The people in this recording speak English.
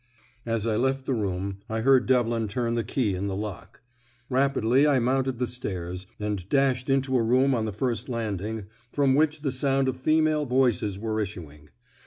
As I left the room I heard Devlin turn the key in the lock. Rapidly I mounted the stairs, and dashed into a room on the first landing, from which the sound of female voices were issuing.